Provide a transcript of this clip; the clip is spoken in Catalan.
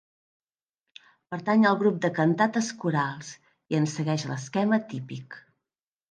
Pertany al grup de Cantates corals, i en segueix l'esquema típic.